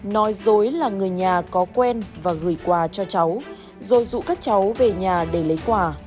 nói dối là người nhà có quen và gửi quà cho cháu rồi rủ các cháu về nhà để lấy quà